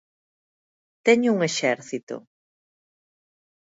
Teño un exército.